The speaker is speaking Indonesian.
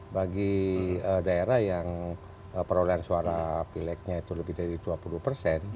bagi daerah yang perolehan suara pileknya itu lebih dari dua puluh persen